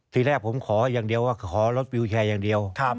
ทีแรกผมขออย่างเดียวว่าขอรถวิวแชร์อย่างเดียว